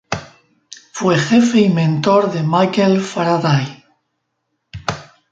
Fue jefe y mentor de Michael Faraday.